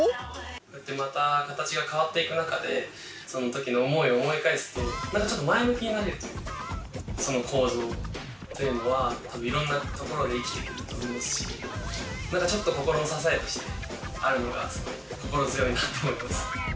こうやってまた形が変わっていく中でその時の思いを思い返すと何かちょっと前向きになれるというかその構造っていうのは多分いろんなところで生きてくると思うし何かちょっと心の支えとしてあるのがすごい心強いなと思います。